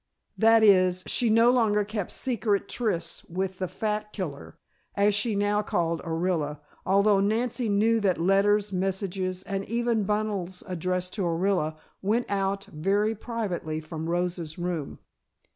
That is, she no longer kept secret trysts with the "fat killer," as she now called Orilla, although Nancy knew that letters, messages, and even bundles addressed to Orilla went out very privately from Rosa's room.